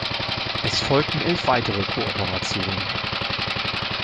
Es folgten elf weitere Kooperationen.